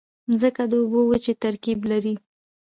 مځکه د اوبو او وچې ترکیب لري.